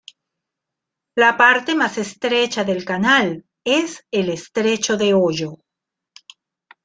La parte más estrecha del canal es el estrecho de Hoyo.